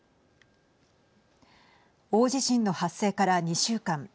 大地震の発生から２週間。